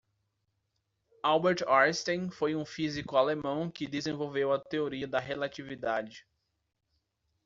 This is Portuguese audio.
Albert Einstein foi um físico alemão que desenvolveu a Teoria da Relatividade.